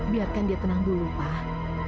biarkan dia tenang dulu pak